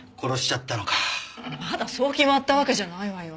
まだそう決まったわけじゃないわよ。